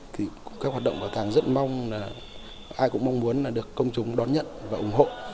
thì các hoạt động bảo tàng rất mong là ai cũng mong muốn là được công chúng đón nhận và ủng hộ